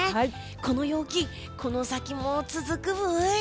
この陽気、この先も続くブイ？